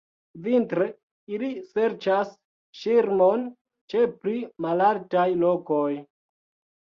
Vintre ili serĉas ŝirmon ĉe pli malaltaj lokoj.